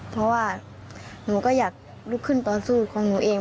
เพราะว่าหนูก็อยากลุกขึ้นต่อสู้ของหนูเอง